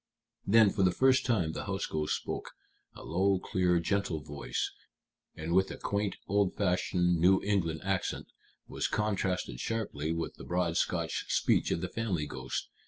Then, for the first time, the house ghost spoke, a low, clear, gentle voice, and with a quaint, old fashioned New England accent, which contrasted sharply with the broad Scotch speech of the family ghost.